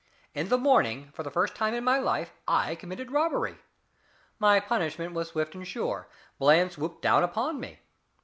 In the morning, for the first time in my life, I committed robbery. My punishment was swift and sure. Bland swooped down upon me.